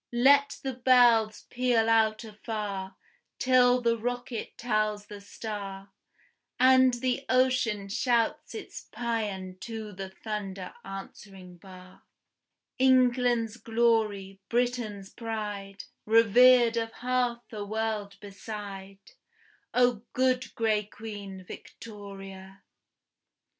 Let the bells peal out afar, till the rocket tells the star, And the ocean shouts its pæan to the thunder answering bar; England's glory, Britain's pride, Revered of half a world beside, O good gray Queen, Victoria!